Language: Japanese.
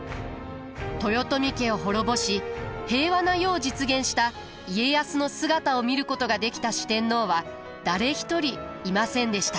豊臣家を滅ぼし平和な世を実現した家康の姿を見ることができた四天王は誰一人いませんでした。